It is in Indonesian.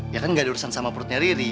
ya kan gak ada urusan sama perutnya riri